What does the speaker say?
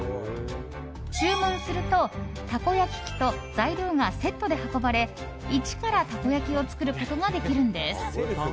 注文すると、たこ焼き器と材料がセットで運ばれ一から、たこ焼きを作ることができるんです。